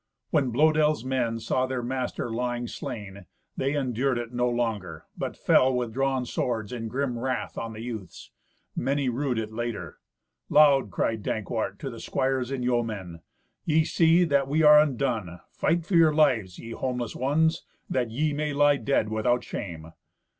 When Blœdel's men saw their master lying slain, they endured it no longer, but fell with drawn swords in grim wrath on the youths. Many rued it later. Loud cried Dankwart to the squires and the yeomen, "Ye see that we are undone. Fight for your lives, ye homeless ones, that ye may lie dead without shame."